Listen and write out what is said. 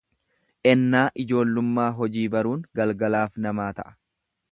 Ennaa ijoollummaa hojii baruun galgalaaf namaa ta’a.